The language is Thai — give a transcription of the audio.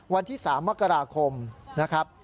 วันที่๓มกราคมนะครับ